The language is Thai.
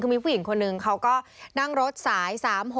คือมีผู้หญิงคนหนึ่งเขาก็นั่งรถสาย๓๖